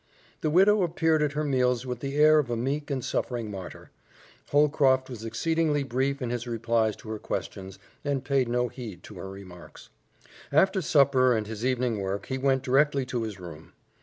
The widow appeared at her meals with the air of a meek and suffering martyr; Holcroft was exceedingly brief in his replies to her questions, and paid no heed to her remarks. After supper and his evening work, he went directly to his room.